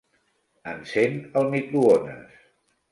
Encén el microones.